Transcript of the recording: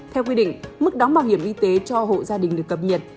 theo quy định mức đóng bảo hiểm y tế cho hộ gia đình được cập nhật